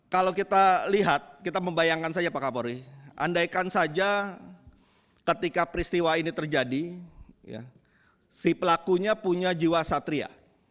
kalau kita lihat kita membayangkan saja pak kapolri andaikan saja ketika peristiwa ini terjadi si pelakunya punya jiwa satria